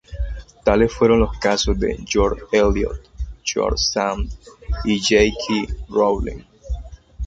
Tales fueron los casos de George Eliot, George Sand y J. K. Rowling.